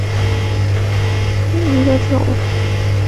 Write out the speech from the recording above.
汶川金盏苣苔为苦苣苔科金盏苣苔属下的一个变种。